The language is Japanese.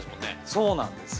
◆そうなんです。